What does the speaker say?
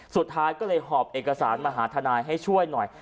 สุดท้ายก็เลยหอบเอกสารมาหาทนายให้ช่วยหน่อย